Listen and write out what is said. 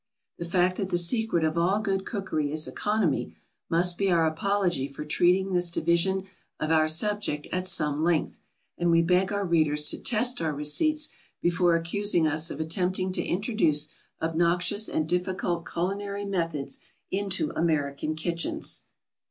The fact that the secret of all good cookery is economy, must be our apology for treating this division of our subject at some length; and we beg our readers to test our receipts before accusing us of attempting to introduce obnoxious and difficult culinary methods into American kitchens.